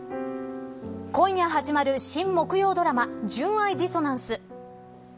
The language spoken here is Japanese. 今夜始まる、新木曜ドラマ純愛ディソナンス。